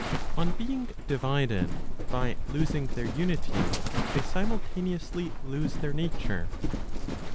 On being divided by losing their unity, they simultaneously lose their nature.